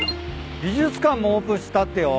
美術館もオープンしたってよ。